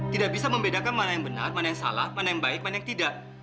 tidak bisa membedakan mana yang benar mana yang salah mana yang baik mana yang tidak